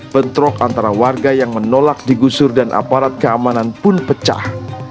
bentrok antara warga yang menolak digusur dan aparat keamanan pun pecah